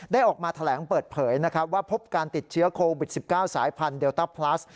ออกมาแถลงเปิดเผยนะครับว่าพบการติดเชื้อโควิด๑๙สายพันธุเดลต้าพลัส